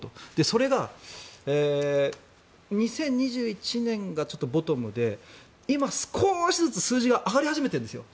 それが２０２１年がちょっとボトムで今、少しずつ数字が上がり始めてるんですよ。